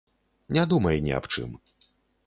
Не думай ні аб чым.